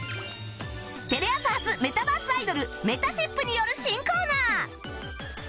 テレ朝発メタバースアイドルめたしっぷによる新コーナー